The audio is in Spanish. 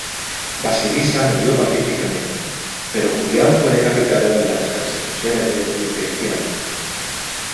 Basilisa murió pacíficamente, pero Julián fue decapitado en las persecuciones de Diocleciano.